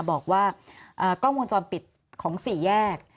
บอกว่ากล้องวงจรปิดของสี่แยก